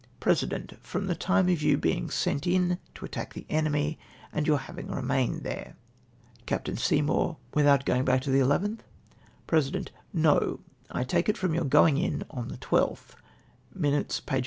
" President. — "From the time of your being sent in to attack the enemy, and your having remained there." Capt. Seymour. — "Without going back to the ll^/t?" President.^ —" No !/ take it from your going in on the I2th:' {Minutes, p. 193.)